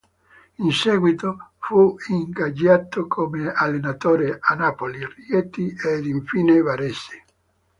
In seguito fu ingaggiato come allenatore a Napoli, Rieti ed infine Varese.